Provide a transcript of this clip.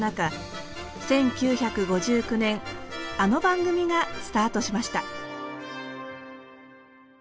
１９５９年あの番組がスタートしました。